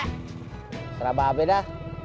serah bapak bedah